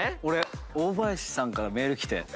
俺大林さんからメール来て。